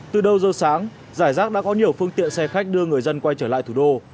từ đầu giờ sáng giải rác đã có nhiều phương tiện xe khách đưa người dân quay trở lại thủ đô